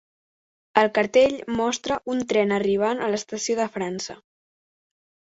El cartell mostra un tren arribant a l'estació de França.